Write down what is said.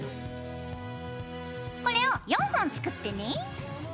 これを４本作ってね。